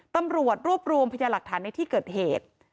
ตำรวจรวบรวมพยาหลักฐานในที่เกิดเหตุ